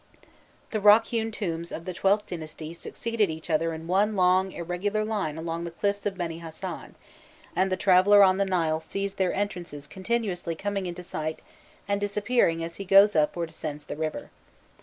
The rock hewn tombs of the XIIth dynasty succeed each other in one long irregular line along the cliffs of Beni Hasan, and the traveller on the Nile sees their entrances continuously coming into sight and disappearing as he goes up or descends the river.